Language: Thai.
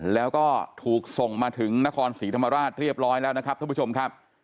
แล้วก็ถูกส่งมาถึงนครศรีธรรมราชเรียบร้อยแล้วนะครับท่านผู้ชมครับ